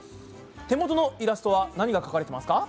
手元のイラストは何が描かれてますか？